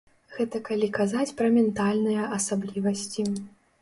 Гэта калі казаць пра ментальныя асаблівасці.